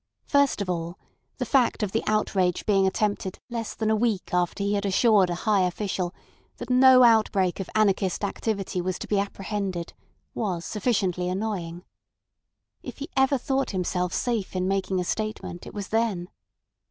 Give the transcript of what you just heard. First of all, the fact of the outrage being attempted less than a week after he had assured a high official that no outbreak of anarchist activity was to be apprehended was sufficiently annoying. If he ever thought himself safe in making a statement, it was then.